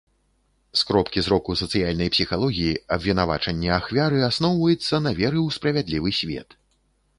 З кропкі зроку сацыяльнай псіхалогіі, абвінавачанне ахвяры асноўваецца на веры ў справядлівы свет.